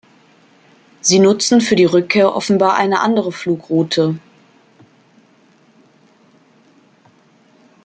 Sie nutzen für die Rückkehr offenbar eine andere Flugroute.